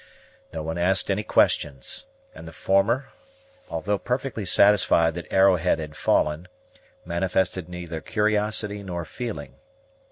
No one asked any questions; and the former, although perfectly satisfied that Arrowhead had fallen, manifested neither curiosity nor feeling.